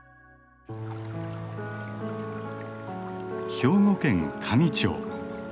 兵庫県香美町。